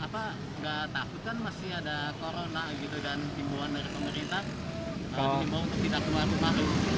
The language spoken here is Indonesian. gak takut kan masih ada corona dan timbuhan dari pemerintah